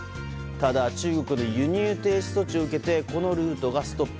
ただ中国の輸入停止措置を受けてこのルートがストップ。